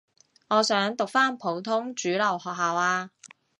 我想讀返普通主流學校呀